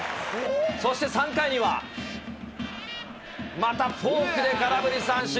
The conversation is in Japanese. そして３回には、またフォークで空振り三振。